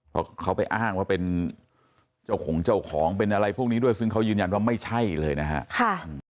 เพราะเขาไปอ้างว่าเป็นเจ้าของเจ้าของเป็นอะไรพวกนี้ด้วยซึ่งเขายืนยันว่าไม่ใช่เลยนะครับ